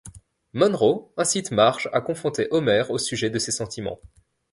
Monroe incite Marge à confronter Homer au sujet de ses sentiments.